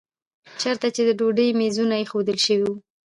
چېرته چې د ډوډۍ میزونه ایښودل شوي وو.